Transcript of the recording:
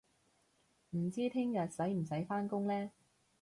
唔知聽日使唔使返工呢